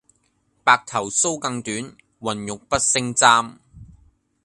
白頭搔更短，渾欲不勝簪。